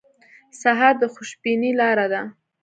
سهار د خوشبینۍ لاره ده.